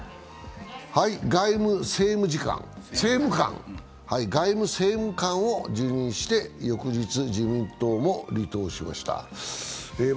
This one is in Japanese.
はい、外務政務官を辞任して翌日、自民党も離党しました。